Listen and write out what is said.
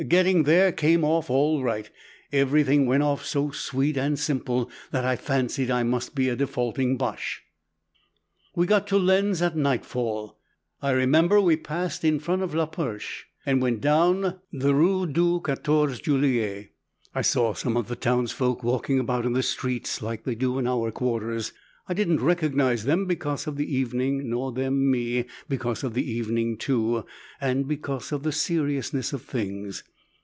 Getting there came off all right. Everything went off so sweet and simple that I fancied I must be a defaulting Boche. We got to Lens at nightfall. I remember we passed in front of La Perche and went down the Rue du Quatorze Juillet. I saw some of the townsfolk walking about in the streets like they do in our quarters. I didn't recognize them because of the evening, nor them me, because of the evening too, and because of the seriousness of things.